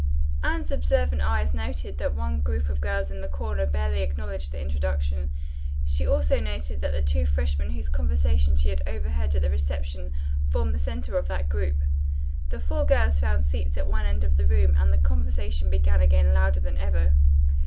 Anne's observant eyes noted that one group of girls in the corner barely acknowledged the introduction. She also noted that the two freshmen whose conversation she had overheard at the reception formed the center of that group. The four girls found seats at one end of the room and the conversation began again louder than ever.